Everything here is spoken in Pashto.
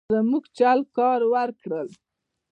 زموږ چل کار ورکړ.